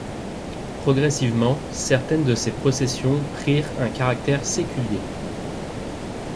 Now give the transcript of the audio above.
Progressivement, certaines de ces processions prirent un caractère séculier.